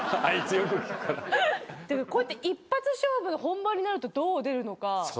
でもこうやって一発勝負本番になるとどう出るのか。